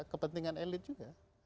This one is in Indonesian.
kepentingan elit juga